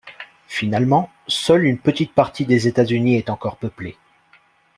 Finalement, seule une petite partie des États-Unis est encore peuplée.